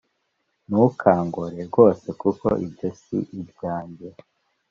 Nukangore rwose kuko ibyo si ibyange